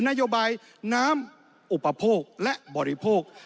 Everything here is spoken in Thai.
นโยบายน้ำอุปโภคและบริโภค